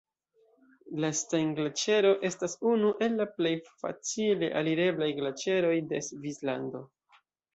La Stein-Glaĉero estas unu el la plej facile alireblaj glaĉeroj de Svislando.